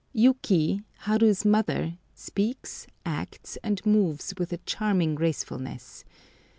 Yuki, Haru's mother, speaks, acts, and moves with a charming gracefulness.